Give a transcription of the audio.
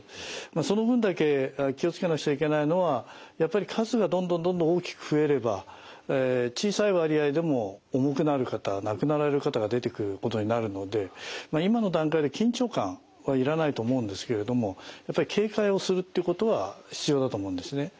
その分だけ気を付けなくちゃいけないのはやっぱり数がどんどんどんどん大きく増えれば小さい割合でも重くなる方亡くなられる方が出てくることになるので今の段階で緊張感はいらないと思うんですけれどもやっぱり警戒をするっていうことは必要だと思うんですね。